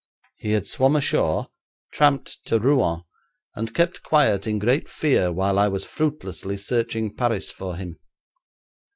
He had swum ashore, tramped to Rouen, and kept quiet in great fear while I was fruitlessly searching Paris for him.